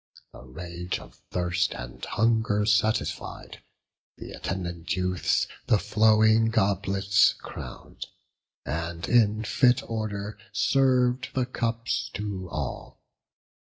The rage of thirst and hunger satisfied, Th' attendant youths the flowing goblets crown'd, And in fit order serv'd the cups to all.